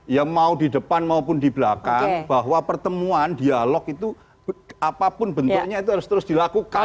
ya mau di depan maupun di belakang bahwa pertemuan dialog itu apapun bentuknya itu harus terus dilakukan